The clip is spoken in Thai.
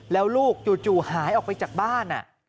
แล้วลูกจู่หายออกไปจากบ้าน